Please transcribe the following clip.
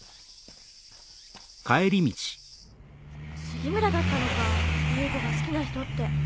杉村だったのか夕子が好きな人って。